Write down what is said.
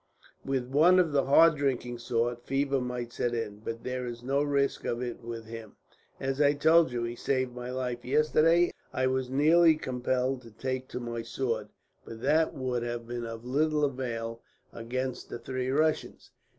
With one of the hard drinking sort, fever might set in; but there is no risk of it with him. "'As I told you, he saved my life yesterday. I was nearly compelled to take to my sword, but that would have been of little avail against the three Russians.